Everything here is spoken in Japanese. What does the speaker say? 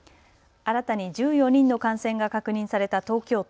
新たに１４人の感染が確認された東京都。